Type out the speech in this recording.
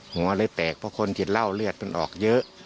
หัวเลยแตกเพราะคนติดเหล้าเลือดมันออกเยอะ